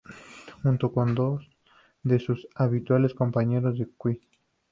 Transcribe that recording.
Junto con dos de sus habituales compañeros de Quiz!